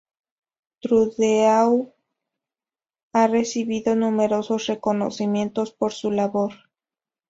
Trudeau ha recibido numerosos reconocimientos por su labor.